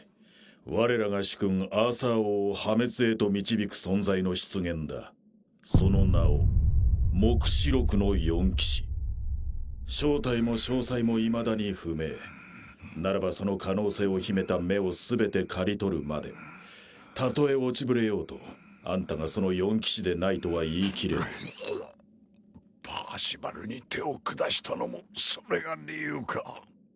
我らが主君アーサー王を破滅へと導く存在の出現だその名を黙示録の四騎士正体も詳細もいまだに不明ならばその可能性を秘めた芽を全て刈り取るまでたとえ落ちぶれようとあんたがその四騎士でないとは言い切れないパーシバルに手を下したのもそれが理由か？